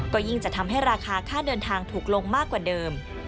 ก็ยิ่งจะทำให้ราคาค่าเดินทางถูกลงมากกว่าเดิม